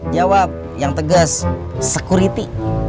jawab yang tegas security